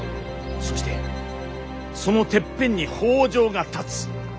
そしてそのてっぺんに北条が立つ。